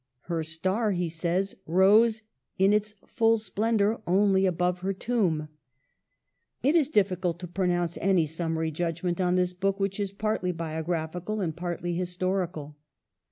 "Her star," he says, "rose in its full splendor only above her tomb." It is difficult to pronounce any summary judgment on this book, which is partly biographical and partly historical.